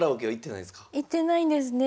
行ってないんですね。